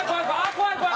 怖い怖い！